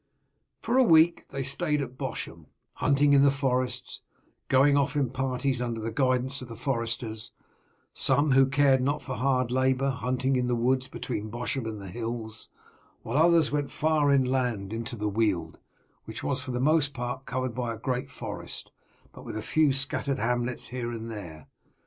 For a week they stayed at Bosham, hunting in the forests, going off in parties under the guidance of the foresters, some who cared not for hard labour, hunting in the woods between Bosham and the hills, while others went far inland into the weald, which was for the most part covered by a great forest, with but a few scattered hamlets here and there.